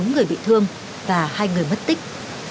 bốn người bị thương và hai người mất tích